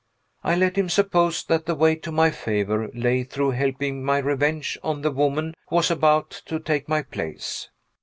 I let him suppose that the way to my favor lay through helping my revenge on the woman who was about to take my place.